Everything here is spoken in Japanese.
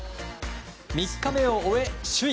３日目を終え、首位。